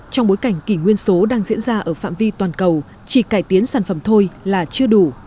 trong bối cảnh kỷ nguyên số đang diễn ra ở phạm vi toàn cầu chỉ cải tiến sản phẩm thôi là chưa đủ